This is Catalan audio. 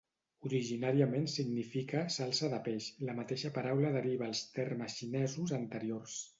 Originàriament significa "salsa de peix", la mateixa paraula deriva els termes xinesos anteriors.